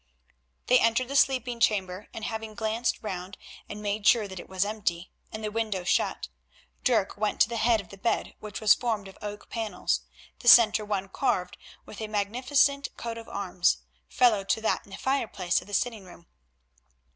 They entered the sleeping chamber, and having glanced round and made sure that it was empty, and the window shut, Dirk went to the head of the bed, which was formed of oak panels, the centre one carved with a magnificent coat of arms, fellow to that in the fireplace of the sitting room.